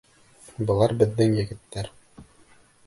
Былар беҙҙең егеттәр.